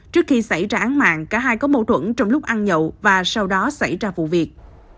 trước khi xảy ra án mạng cả hai có mâu thuẫn trong lúc ăn nhậu và sau đó xảy ra vụ việc